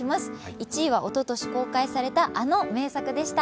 １位はおととし公開されたあの名作でした。